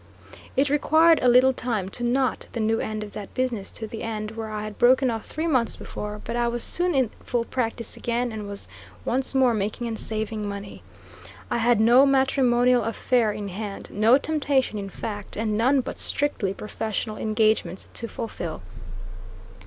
It required a little time to knot the new end of that business to the end where I had broken off three months before; but I was soon in full practice again and was once more making and saving money. I had no matrimonial affair in hand, no temptation in fact, and none but strictly professional engagements to fulfil.